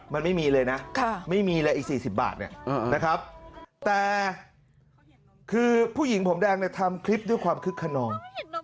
มันไม่มีเลยนะไม่มีเลยอีก๔๐บาทเนี่ยนะครับแต่คือผู้หญิงผมแดงเนี่ยทำคลิปด้วยความคึกขนอง